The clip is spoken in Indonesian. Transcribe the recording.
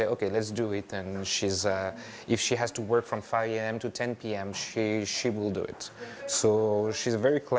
yang meminta peluangnya maka dia harus